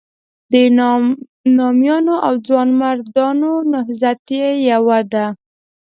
د نامیانو او ځوانمردانو نهضت یې یوه ده.